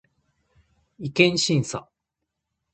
違憲審査